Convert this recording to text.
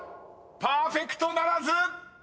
［パーフェクトならず！］